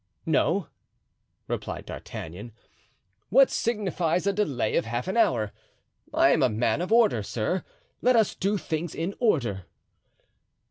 "No," replied D'Artagnan; "what signifies a delay of half an hour? I am a man of order, sir; let us do things in order."